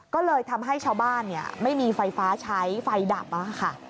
ก็เลยทำให้ชาวบ้านไม่มีไฟฟ้าใช้ไฟดับค่ะ